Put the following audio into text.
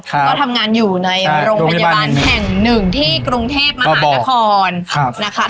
ก็ทำงานอยู่ในโรงพยาบาลแห่ง๑ที่กรุงเทพมาหาอักษร